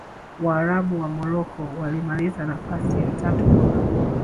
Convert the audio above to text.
waarabu wa morocco walimaliza nafasi ya tatu mwaka huo